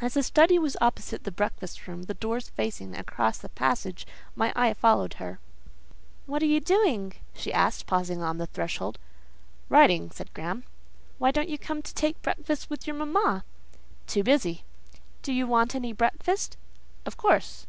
As the study was opposite the breakfast room, the doors facing across the passage, my eye followed her. "What are you doing?" she asked, pausing on the threshold. "Writing," said Graham. "Why don't you come to take breakfast with your mamma?" "Too busy." "Do you want any breakfast?" "Of course."